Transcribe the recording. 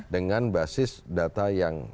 dengan basis data yang